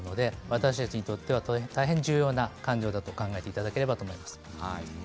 私たちにとっては重要な感情だと考えていただければと思います。